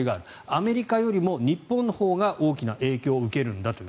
アメリカよりも日本のほうが大きな影響を受けるんだという。